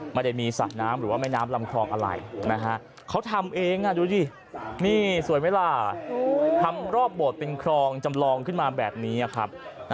ไม่ได้มีสระน้ำหรือว่าแม่น้ำลำคลองอะไรนะฮะเขาทำเองดูดินี่สวยไหมล่ะทำรอบโบสถ์เป็นคลองจำลองขึ้นมาแบบนี้ครับ